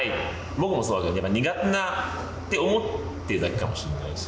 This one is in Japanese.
僕もそうだけどやっぱり苦手なって思ってるだけかもしれないし。